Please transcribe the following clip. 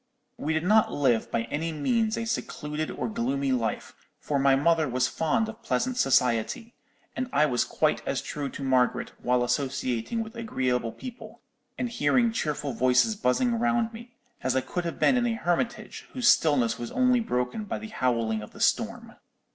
We did not live by any means a secluded or gloomy life, for my mother was fond of pleasant society: and I was quite as true to Margaret while associating with agreeable people, and hearing cheerful voices buzzing round me, as I could have been in a hermitage whose stillness was only broken by the howling of the storm.